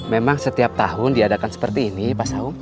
memang setiap tahun diadakan seperti ini pak saung